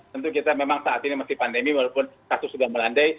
tentu kita memang saat ini masih pandemi walaupun kasus sudah melandai